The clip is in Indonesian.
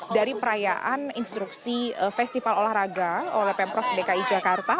dari perayaan instruksi festival olahraga oleh pemprov dki jakarta